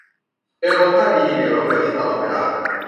เจอคนท่าดีทีเหลว ล้มเหลวอยู่ตลอดเวลา